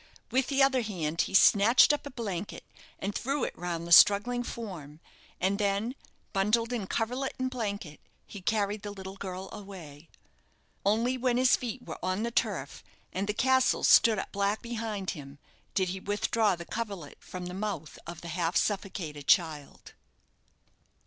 With the other hand he snatched up a blanket, and threw it round the struggling form, and then, bundled in coverlet and blanket, he carried the little girl away. Only when his feet were on the turf, and the castle stood up black behind him, did he withdraw the coverlet from the mouth of the half suffocated child.